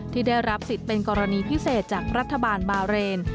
ที่ได้รับสิทธิ์เป็นกรณีพิเศษจากรัฐบาลบาเรน